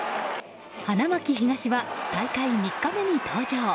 花巻東は大会３日目に登場。